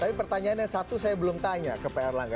tapi pertanyaannya satu saya belum tanya ke pak erlangga